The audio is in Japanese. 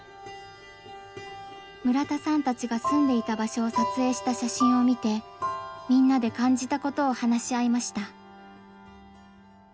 村田さんたちが住んでいた場所を撮影した写真を見てみんなで感じたことを話し合いました。